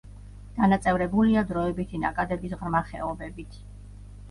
დანაწევრებულია დროებითი ნაკადების ღრმა ხეობებით.